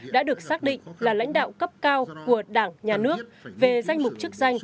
đã được xác định là lãnh đạo cấp cao của đảng nhà nước về danh mục chức danh